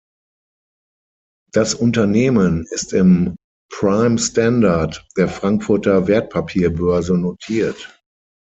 Das Unternehmen ist im Prime Standard der Frankfurter Wertpapierbörse notiert.